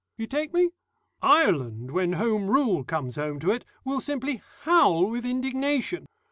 You take me? Ireland, when Home Rule comes home to it, will simply howl with indignation.